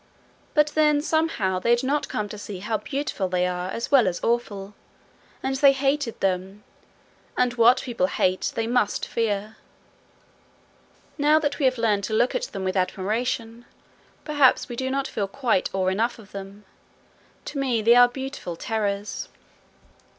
But then somehow they had not come to see how beautiful they are as well as awful, and they hated them and what people hate they must fear. Now that we have learned to look at them with admiration, perhaps we do not feel quite awe enough of them. To me they are beautiful terrors.